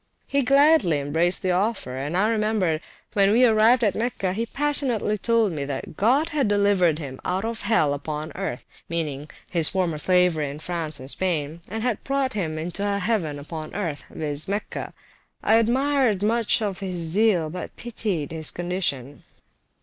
He gladly embraced the offer, and I remember when we arrived at Mecca he passionately told me, that God had delivered him out of hell upon earth (meaning his former slavery in France and Spain), and had brought him into a heaven upon earth, viz. Mecca. I admired much his zeal, but pitied his condition.